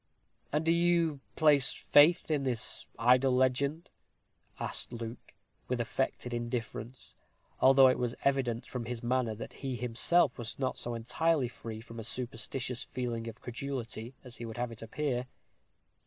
"And do you place faith in this idle legend?" asked Luke, with affected indifference, although it was evident, from his manner, that he himself was not so entirely free from a superstitious feeling of credulity as he would have it appear.